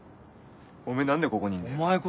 おめぇ何でここにいんだよ。